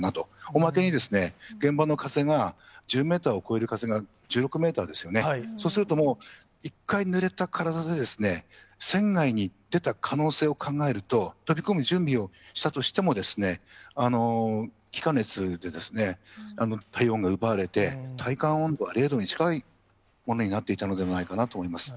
おまけに、現場の風が１０メーターを超える風が、１６メーターですよね、そうすると、もう１回ぬれた体で、船外に出た可能性を考えると、飛び込む準備をしたとしても、気化熱で体温が奪われて、体感温度は０度に近いものになっていたのではないかなと思います。